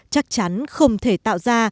chắc chắn không thể tạo ra